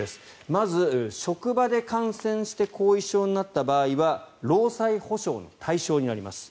まず職場で感染して後遺症になった場合は労災補償の対象になります。